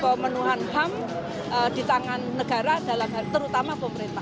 kalau fenuhan ham di tangan negara dalam tenaga terutama pemerintah